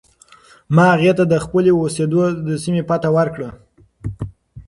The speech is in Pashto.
ما هغې ته د خپلې اوسېدو د سیمې پته ورکړه.